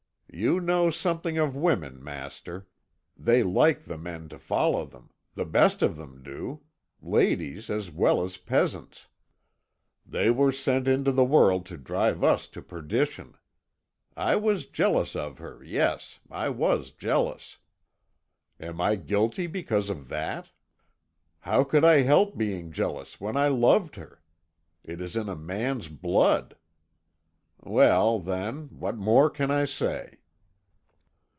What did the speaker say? You know something of women, master; they like the men to follow them the best of them do ladies as well as peasants. They were sent into the world to drive us to perdition. I was jealous of her, yes, I was jealous. Am I guilty because of that? How could I help being jealous when I loved her? It is in a man's blood. Well, then, what more can I say?"